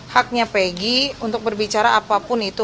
haknya peggy untuk berbicara apapun itu